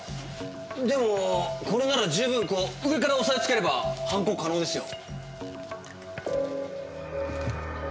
でもこれなら十分こう上から押さえつければ犯行可能ですよ。